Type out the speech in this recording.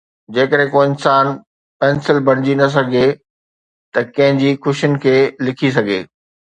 جيڪڏهن ڪو انسان پنسل بڻجي نه سگهي ته ڪنهن جي خوشين کي لکي سگهي